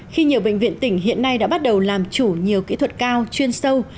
khi nhiều bệnh viện tỉnh hiện nay đã bắt đầu làm chủ nhiều kỹ thuật cao chuyên sâu